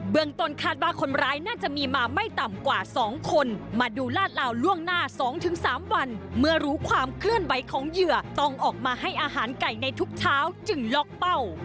เมืองต้นคาดว่าคนร้ายน่าจะมีมาไม่ต่ำกว่า๒คนมาดูลาดลาวล่วงหน้า๒๓วันเมื่อรู้ความเคลื่อนไหวของเหยื่อต้องออกมาให้อาหารไก่ในทุกเช้าจึงล็อกเป้า